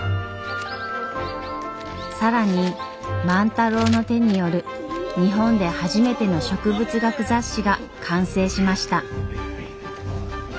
更に万太郎の手による日本で初めての植物学雑誌が完成しました。